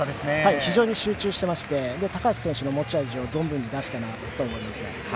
非常に集中してまして、高橋選手の持ち味を存分に出したなと思います。